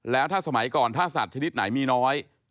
แล้วถ้าสมัยก่อนถ้าสัตว์ชนิดไหนมีน้อย